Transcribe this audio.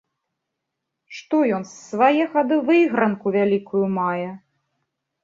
Што ён з свае хады выйгранку вялікую мае?